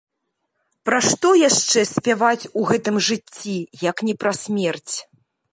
Пра што яшчэ спяваць у гэтым жыцці, як не пра смерць?